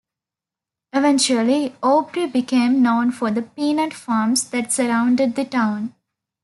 Eventually, Aubrey became known for the peanut farms that surrounded the town.